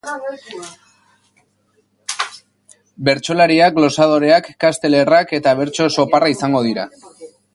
Bertsolariak, glosadoreak, casteller-ak eta bertso-soparra izango dira.